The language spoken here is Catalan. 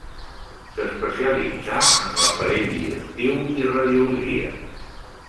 S'especialitzà en l'aparell digestiu i radiologia.